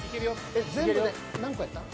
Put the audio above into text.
えっ全部で何個やった？